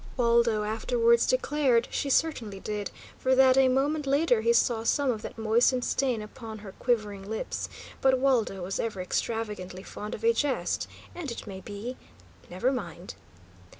Waldo afterwards declared she certainly did, for that a moment later he saw some of that moistened stain upon her quivering lips; but Waldo was ever extravagantly fond of a jest, and it may be never mind!